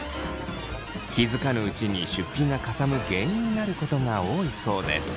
気付かぬうちに出費がかさむ原因になることが多いそうです。